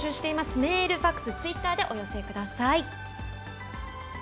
メール、ＦＡＸツイッターでお寄せください。